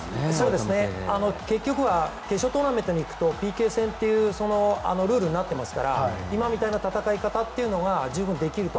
結局は決勝トーナメントに行くとＰＫ戦というルールになってますから今みたいな戦い方というのが十分できると。